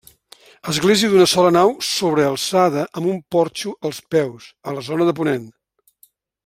Església d'una sola nau sobrealçada amb un porxo als peus, a la zona de ponent.